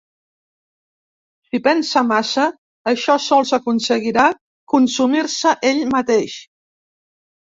Si pensa massa això sols aconseguirà consumir-se ell mateix.